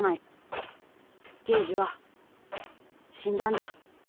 ゲージはしんだんだ。